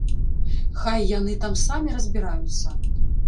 Хай яны там самі разбіраюцца.